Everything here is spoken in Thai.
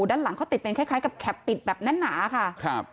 ด้านหลังเขาติดเป็นคล้ายคล้ายกับแคปปิดแบบแน่นหนาค่ะครับ